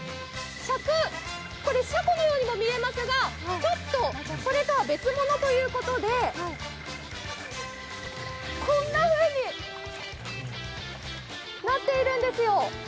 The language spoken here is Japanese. これ、シャコのようにも見えますがそれとは別物ということでこんなふうになっているんですよ。